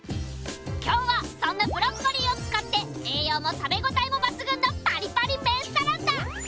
今日はそんなブロッコリーを使って栄養も食べ応えも抜群のパリパリ麺サラダ